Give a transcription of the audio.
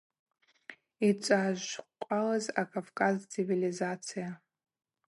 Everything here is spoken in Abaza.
Йцӏашвкъвалыз а-Кӏавкӏаз цивилизация.